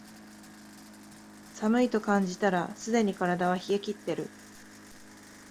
寒いと感じたらすでに体は冷えきってる